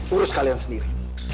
urus kalian sendiri